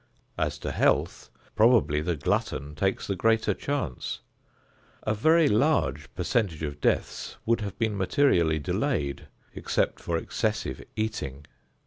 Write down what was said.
As to health, probably the glutton takes the greater chance. A very large percentage of deaths would have been materially delayed except for excessive eating.